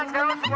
ngapasih lu tio